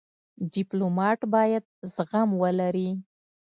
ډيپلومات باید زغم ولري.